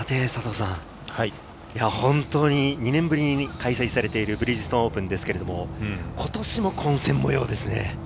本当に２年ぶりに開催されているブリヂストンオープンですが今年も混戦模様ですね。